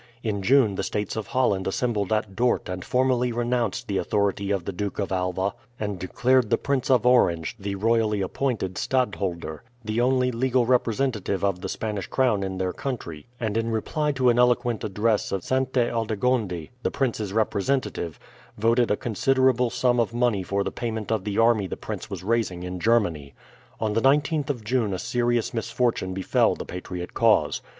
In June the States of Holland assembled at Dort and formally renounced the authority of the Duke of Alva, and declared the Prince of Orange, the royally appointed stadtholder, the only legal representative of the Spanish crown in their country; and in reply to an eloquent address of Sainte Aldegonde, the prince's representative, voted a considerable sum of money for the payment of the army the prince was raising in Germany. On the 19th of June a serious misfortune befell the patriot cause.